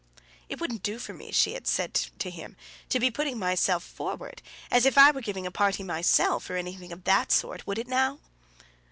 "It wouldn't do for me," she had said to him, "to be putting myself forward, as if I were giving a party myself, or anything of that sort; would it now?"